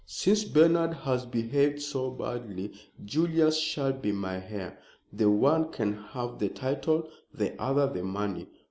"Since Bernard has behaved so badly, Julius shall be my heir. The one can have the title, the other the money.